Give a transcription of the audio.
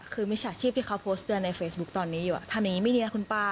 คือมิจฉาชีพที่เขาโพสต์เตือนในเฟซบุ๊คตอนนี้อยู่ทำอย่างนี้ไม่ดีนะคุณป้า